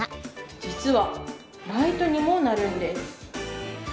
実はライトにもなるんです。